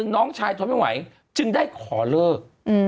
น้องชายทนไม่ไหวจึงได้ขอเลิก